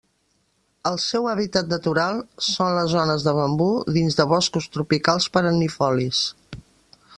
El seu hàbitat natural són les zones de bambú dins de boscos tropicals perennifolis.